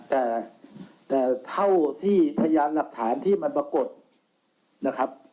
แต่เท่าที่พยานหลักฐานที่มันปรากฏนะครับ